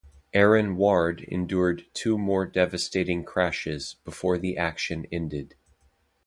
"Aaron Ward" endured two more devastating crashes before the action ended.